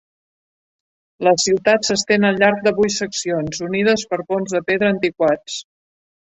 La ciutat s'estén al llarg de vuit seccions, unides per ponts de pedra antiquats.